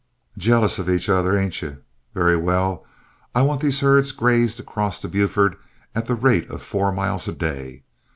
"Jealous of each other, ain't you? Very well; I want these herds grazed across to Buford at the rate of four miles a day.